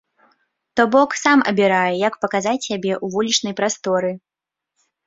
То бок, сам абірае, як паказаць сябе ў вулічнай прасторы.